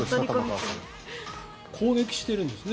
攻撃してるんですね。